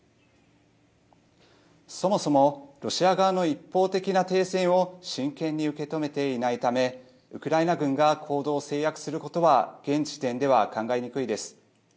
そもそもロシア側の一方的な停戦を真剣に受け止めていないためウクライナ軍が行動を制約することは現時点では考えにくいです。